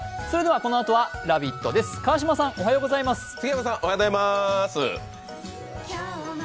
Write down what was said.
杉山さん、おはようございます。